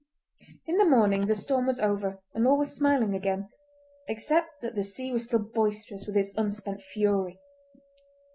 In the morning the storm was over and all was smiling again, except that the sea was still boisterous with its unspent fury.